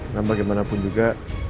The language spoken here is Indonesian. dan bagaimanapun juga